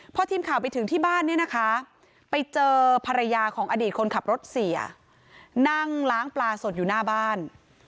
พอทีมข่าวไปถึงที่บ้านเนี่ยนะคะไปเจอภรรยาของอดีตคนขับรถเสียนั่งล้างปลาสดอยู่หน้าบ้าน